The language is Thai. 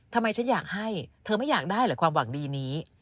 ทำไมฉันอยากให้เธอไม่อยากได้เหรอความหวังดีนี้